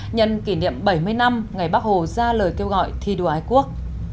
nhận kỷ niệm bảy mươi năm ngày bác hồ ra lời kêu gọi thi đua ái quốc